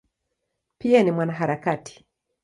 Pia ni mwanaharakati.